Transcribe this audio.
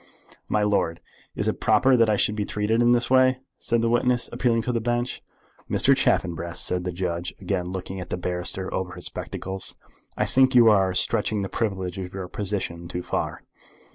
"My lord, is it proper that I should be treated in this way?" said the witness, appealing to the Bench. "Mr. Chaffanbrass," said the judge, again looking at the barrister over his spectacles, "I think you are stretching the privilege of your position too far."